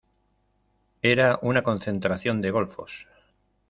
Era una concentración de golfos.